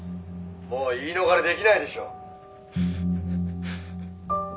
「もう言い逃れできないでしょ」